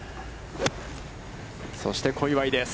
そして小祝です。